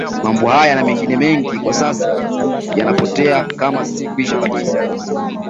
Mambo haya na mengine mengi kwa sasa yanapotea kama si kwisha kabisa